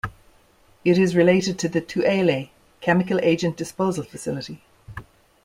It is related to the Tooele Chemical Agent Disposal Facility.